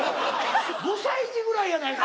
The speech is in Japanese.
５歳児ぐらいやないか！